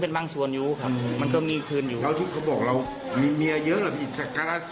แล้วที่เค้าบอกเรามีเมียเยอะเหมือนปีศกรสิน